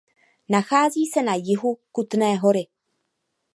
Nachází se na jihu Kutné Hory.